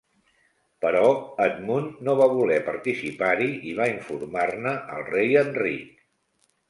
Però Edmund no va voler participar-hi i va informar-ne al rei Enric.